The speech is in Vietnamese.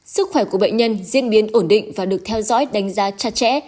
sức khỏe của bệnh nhân diễn biến ổn định và được theo dõi đánh giá chặt chẽ